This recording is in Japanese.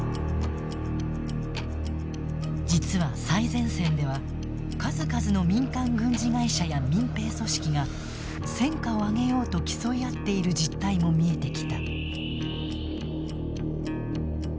実は、最前線では数々の民間軍事会社や民兵組織が戦果を上げようと競い合っている実態も見えてきた。